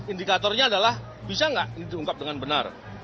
indikatornya adalah bisa nggak ini diungkap dengan benar